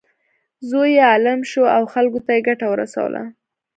زوی یې عالم شو او خلکو ته یې ګټه ورسوله.